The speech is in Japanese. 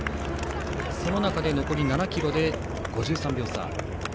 その中で残り７ｋｍで５３秒差。